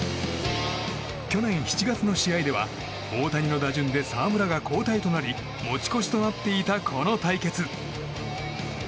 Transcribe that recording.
去年７月の試合では大谷の打順で澤村が交代となり持ち越しとなっていたこの対決。